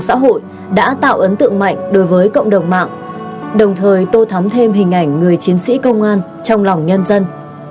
hình ảnh những chiến sĩ mang sắc phục công an đã tạo ấn tượng mạnh đối với cộng đồng mạng đồng thời tô thắm thêm hình ảnh người chiến sĩ công an trong lòng nhân dân